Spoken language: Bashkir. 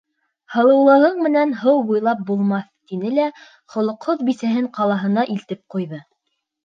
Һылыулығың менән һыу буйлап булмаҫ, тине лә холоҡһоҙ бисәһен ҡалаһына илтеп ҡуйҙы.